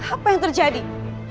apa yang terjadi